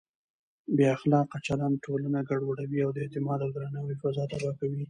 بې اخلاقه چلند ټولنه ګډوډوي او د اعتماد او درناوي فضا تباه کوي.